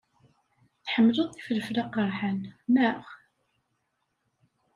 Tḥemmleḍ ifelfel aqerḥan, naɣ?